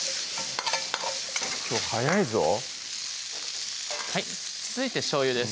きょう早いぞ続いてしょうゆです